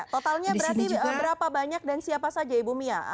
totalnya berapa banyak dan siapa saja ibu bumiya